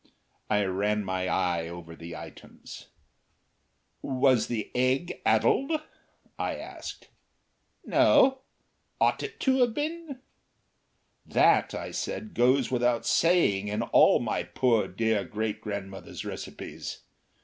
I ran my eye over the items. "Was the egg addled?" I asked. "No. Ought it to have been?" "That," I said, "goes without saying in all my poor dear great grandmother's recipes.